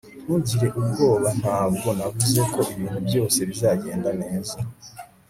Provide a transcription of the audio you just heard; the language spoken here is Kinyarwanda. Ntugire ubwoba Ntabwo navuze ko ibintu byose bizagenda neza